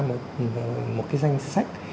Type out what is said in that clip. một cái danh sách